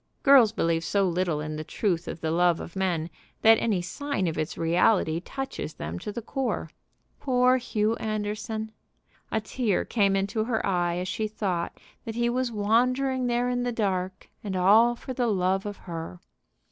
Girls believe so little in the truth of the love of men that any sign of its reality touches them to the core. Poor Hugh Anderson! A tear came into her eye as she thought that he was wandering there in the dark, and all for the love of her.